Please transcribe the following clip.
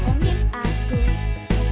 kau pergi saat ku memulai cinta